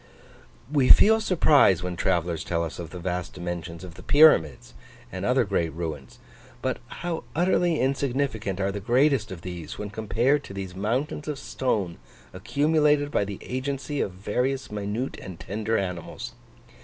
We feel surprise when travellers tell us of the vast dimensions of the Pyramids and other great ruins, but how utterly insignificant are the greatest of these, when compared to these mountains of stone accumulated by the agency of various minute and tender animals!